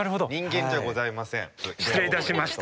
失礼いたしました。